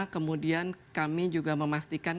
kemudian kami juga memastikan